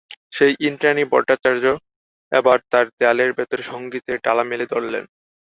সেই ইন্দ্রাণী ভট্টাচার্য এবার চার দেয়ালের ভেতর সংগীতের ডালা মেলে ধরলেন।